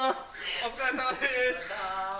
お疲れさまです。